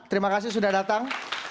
terima kasih sudah datang